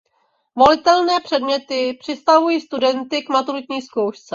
Volitelné předměty připravují studenty k maturitní zkoušce.